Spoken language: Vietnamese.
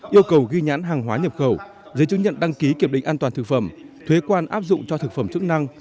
yêu cầu ghi nhãn hàng hóa nhập khẩu giấy chứng nhận đăng ký kiểm định an toàn thực phẩm thuế quan áp dụng cho thực phẩm chức năng